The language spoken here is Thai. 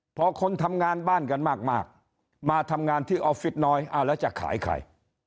พอคนทำงานบ้านกันมากมาทำงานที่ออฟฟิศน้อยเอาแล้วจะขายใคร